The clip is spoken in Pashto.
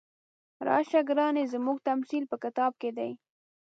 راشه ګرانې زموږ تمثیل په کتاب کې دی.